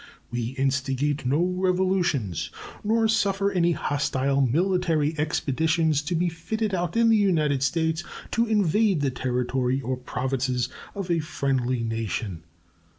We instigate no revolutions, nor suffer any hostile military expeditions to be fitted out in the United States to invade the territory or provinces of a friendly nation.